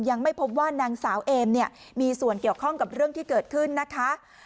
ยังไม่พบว่านางสาวเอมเนี่ยมีส่วนเกี่ยวข้องกับเรื่องที่เกิดขึ้นนะคะ